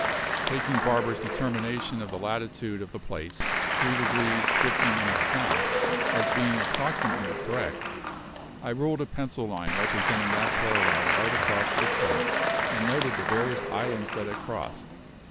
Taking Barber's determination of the latitude of the place, 3 degrees 50 minutes South, as being approximately correct, I ruled a pencil line representing that parallel right across the chart and noted the various islands that it crossed.